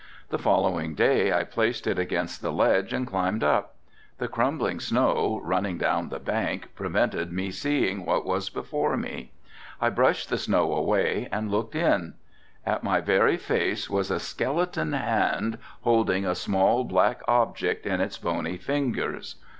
The following day I placed it against the ledge and climbed up. The crumbling snow, running down the bank, prevented me seeing what was before me. I brushed the snow away and looked in. At my very face was a skeleton hand holding a small black object in its bony fingers.